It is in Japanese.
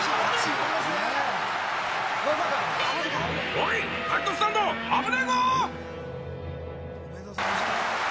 おい、ライトスタンド、あぶねぇぞ！